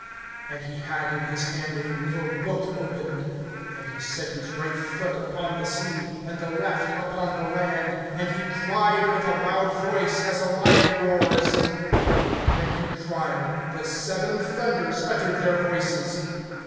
(2)And he had in his hand a little book opened. And he set his right foot upon the sea, and the left upon the land; (3)and he cried with a loud voice, as a lion roars; and when he cried, the seven thunders uttered their voices.